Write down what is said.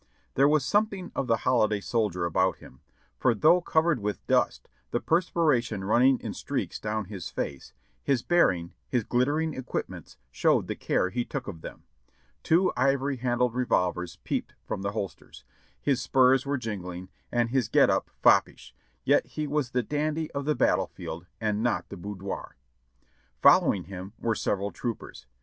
There was something of the holi day soldier about him, for though covered with dust, the per spiration running in streaks down his face, his bearing, his glit tering equipments showed the care he took of them ; two ivory handled revolvers peeped from the holsters, his spurs were jing ling, and his get up foppish, yet he was the dandy of the battle field and not the boudoir. Following him were several troopers.